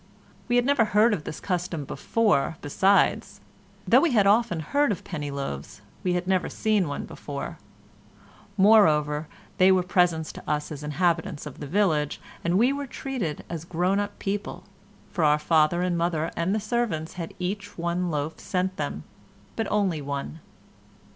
We had never heard of this custom before, besides, though we had often heard of penny loaves, we had never before seen one; moreover, they were presents to us as inhabitants of the village, and we were treated as grown up people, for our father and mother and the servants had each one loaf sent them, but only one.